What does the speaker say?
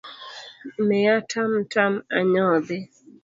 Miya tam tam anyodhi.